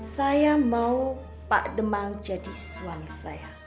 saya mau pak demau jadi suami saya